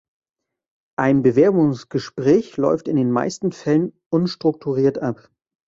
Ein Bewerbungsgespräch läuft in den meisten Fällen unstrukturiert ab.